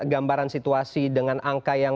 gambaran situasi dengan angka yang